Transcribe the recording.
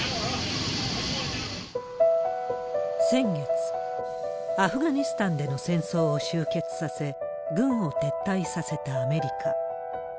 先月、アフガニスタンでの戦争を終結させ、軍を撤退させたアメリカ。